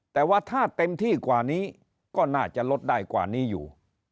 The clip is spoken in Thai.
แต่ว่าถ้าเต็มที่กว่านี้ก็น่าจะลดได้กว่านี้อยู่